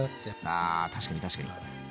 あ確かに確かに。